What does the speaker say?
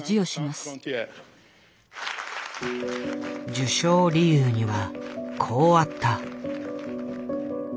受賞理由にはこうあった。